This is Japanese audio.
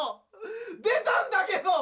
出たんだけど。